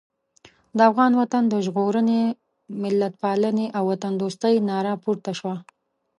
د افغان وطن د ژغورنې، ملتپالنې او وطندوستۍ ناره پورته شوه.